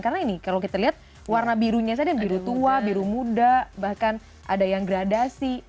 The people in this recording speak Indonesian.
karena ini kalau kita lihat warna birunya ada yang biru tua biru muda bahkan ada yang gradasi